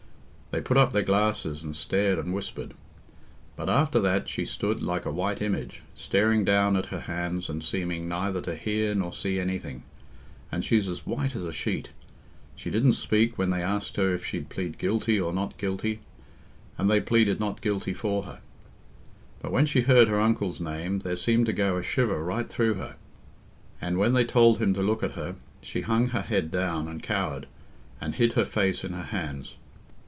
They put up their glasses, and stared and whispered. But after that she stood like a white image, staring down at her hands and seeming neither to hear nor see anything. And she's as white as a sheet. She didn't speak when they asked her if she'd plead 'guilty' or 'not guilty,' and they pleaded 'not guilty' for her. But when she heard her uncle's name, there seemed to go a shiver right through her; and when they told him to look at her, she hung her head down, and cowered, and hid her face in her hands.